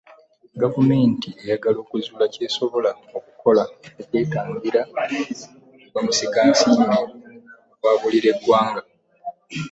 Gavumenti eyagala okuzuula ky'esobola okukola okwetangira bamusigansimbi okwabulira eggwanga.